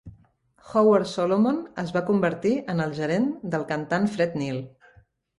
Howard Solomon es va convertir en el gerent del cantant Fred Neil.